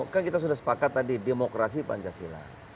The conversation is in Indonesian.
kan kita sudah sepakat tadi demokrasi pancasila